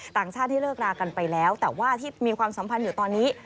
ต่างชาติที่เลิกรากันไปแล้วแต่ว่าที่มีความสัมพันธ์อยู่ตอนนี้